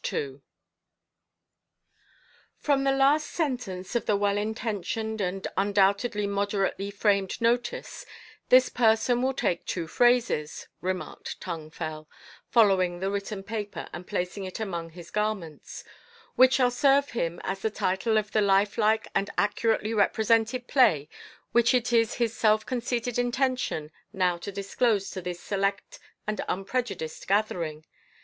'" "From the last sentence of the well intentioned and undoubtedly moderately framed notice this person will take two phrases," remarked Tung Fel, folding the written paper and placing it among his garments, "which shall serve him as the title of the lifelike and accurately represented play which it is his self conceited intention now to disclose to this select and unprejudiced gathering.